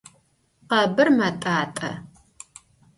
Khebır met'at'e.